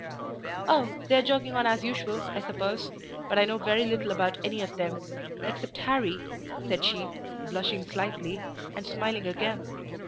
"Oh, they're jogging on as usual, I suppose: but I know very little about any of them—except Harry," said she, blushing slightly, and smiling again.